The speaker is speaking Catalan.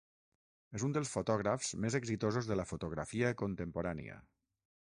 És un dels fotògrafs més exitosos de la fotografia contemporània.